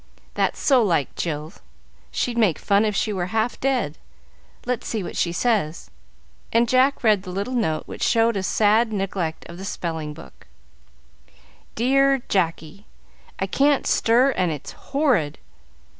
"That's so like Jill; she'd make fun if she was half dead. Let's see what she says;" and Jack read the little note, which showed a sad neglect of the spelling book: "Dear Jacky, I can't stir and it's horrid.